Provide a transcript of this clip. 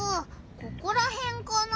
ここらへんかな。